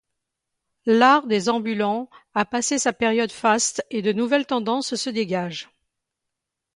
L'art des Ambulants a passé sa période faste et de nouvelles tendances se dégagent.